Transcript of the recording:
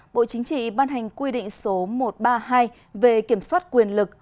bộ chính trị ban hành quy định số một trăm ba mươi hai về kiểm soát quyền lực